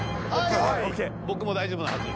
僕も大丈夫なはず。